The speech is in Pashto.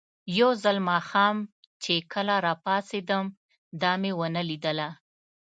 یو ځل ماښام چې کله راپاڅېدم، دا مې ونه لیدله.